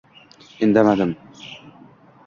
Indamadim.